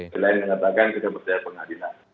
yang lain mengatakan tidak percaya pengadilan